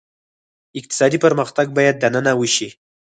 اقتصادي پرمختګ باید دننه وشي.